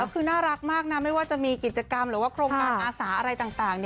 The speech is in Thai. คือน่ารักมากนะไม่ว่าจะมีกิจกรรมหรือว่าโครงการอาสาอะไรต่าง